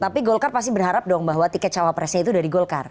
tapi golkar pasti berharap dong bahwa tiket cawapresnya itu dari golkar